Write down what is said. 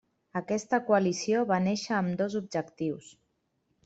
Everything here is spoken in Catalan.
Aquesta coalició va néixer amb dos objectius.